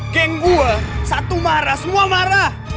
geng gua satu marah semua marah